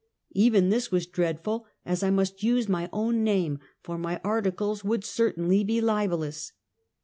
Even this was dreadful, as I must use my own name, for my ar ticles would certainly be libelous.